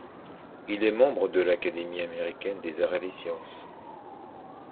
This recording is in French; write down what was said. Elle est membre de l'Académie américaine des arts et des sciences.